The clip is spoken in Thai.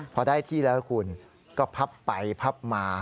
พอได้ที่แล้วคุณก็พับไปพับมา